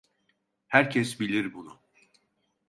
Herkes bilir bunu.